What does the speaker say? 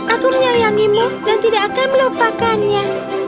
aku menyayangimu dan tidak akan melupakannya